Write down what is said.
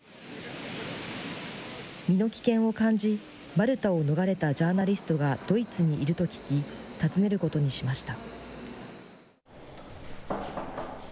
身の危険を感じ、マルタを逃れたジャーナリストがドイツにいると聞き、訪ねることにしました。